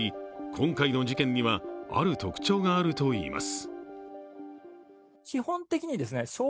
今回の事件には、ある特徴があると言います。